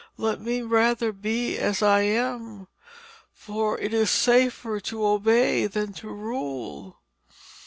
Let me rather be as I am, for it is safer to obey than to rule.'